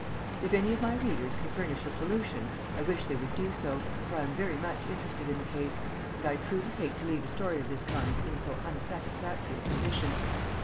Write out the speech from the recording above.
If any of my readers can furnish a solution, I wish they would do so, for I am very much interested in the case, and I truly hate to leave a story of this kind in so unsatisfactory a condition.